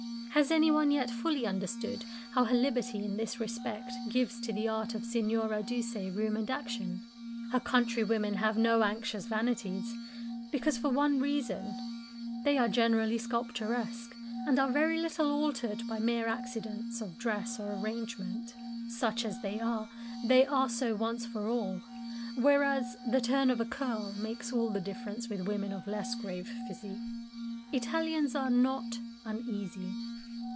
Has any one yet fully understood how her liberty in this respect gives to the art of Signora Duse room and action? Her countrywomen have no anxious vanities, because, for one reason, they are generally "sculpturesque," and are very little altered by mere accidents of dress or arrangement. Such as they are, they are so once for all; whereas, the turn of a curl makes all the difference with women of less grave physique. Italians are not uneasy.